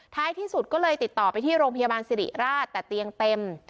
ที่สุดก็เลยติดต่อไปที่โรงพยาบาลสิริราชแต่เตียงเต็ม